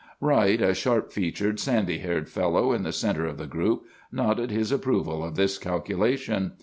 "Wright, a sharp featured, sandy haired fellow in the centre of the group, nodded his approval of this calculation.